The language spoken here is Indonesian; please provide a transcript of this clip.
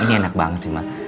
ini enak banget sih mbak